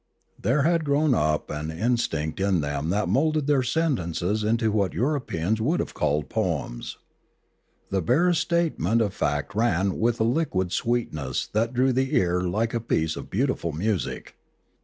There had grown up an instinct in them that moulded their sentences into what Euro peans would have called poems. The barest statement of fact ran with a liquid sweetness that drew the ear like a piece of beautiful music.